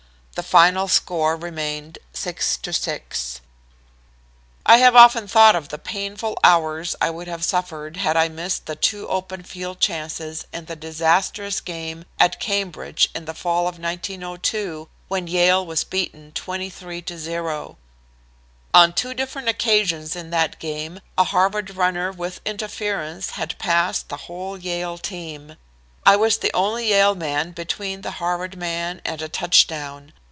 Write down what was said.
The final score remained 6 to 6. "I have often thought of the painful hours I would have suffered had I missed the two open field chances in the disastrous game at Cambridge in the fall of 1902, when Yale was beaten 23 to 0. On two different occasions in that game a Harvard runner with interference had passed the whole Yale team. I was the only Yale man between the Harvard man and a touchdown.